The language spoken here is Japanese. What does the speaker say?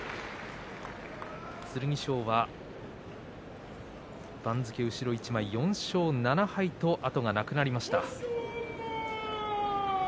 剣翔は番付後ろ一枚４勝７敗と後がなくなりました。